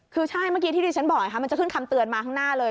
คือใช่เมื่อกี้ที่ดิฉันบอกนะคะมันจะขึ้นคำเตือนมาข้างหน้าเลย